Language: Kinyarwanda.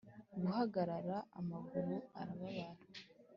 Guhagarara amaguru arababara